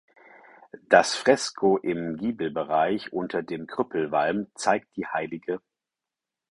Das Fresko im Giebelbereich unter dem Krüppelwalm zeigt die hll.